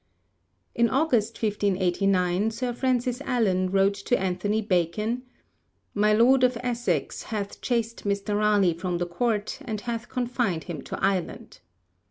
In August 1589 Sir Francis Allen wrote to Anthony Bacon: 'My Lord of Essex hath chased Mr. Raleigh from the Court, and hath confined him to Ireland.'